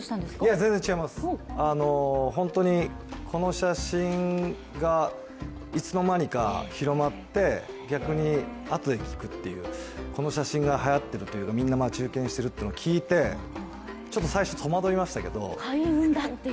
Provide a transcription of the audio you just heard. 全然違います、この写真がいつのまにか広まって逆にあとで聞くという、この写真がはやっているというかみんな待ち受けにしているというのを聞いて、ちょっと最初戸惑いましたけど。